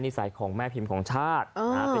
นิสัยของแม่พิมพ์ของชาติ